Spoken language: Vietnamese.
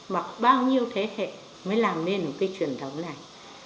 mặc bao nhiêu thế hệ mới làm nên một cái truyền thống này